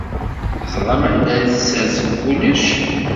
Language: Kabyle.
Teẓram anda ara tessersem kullec?